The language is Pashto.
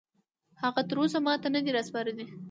هغه تراوسه ماته نه دي راسپارلي